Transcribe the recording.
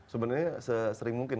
sebenarnya sesering mungkin